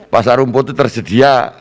pasar rumput itu tersedia